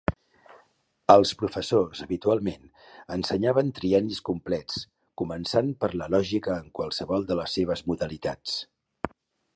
Els professors, habitualment, ensenyaven triennis complets començant per Lògica en qualssevol de les seves modalitats.